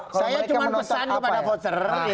saya cuma pesan kepada voter